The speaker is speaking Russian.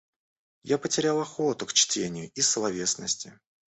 Я потерял охоту к чтению и словесности.